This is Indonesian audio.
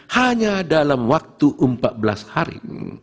hanya dalam waktu empat belas hari